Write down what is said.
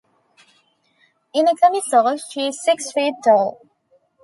In a camisole, she's six feet tall.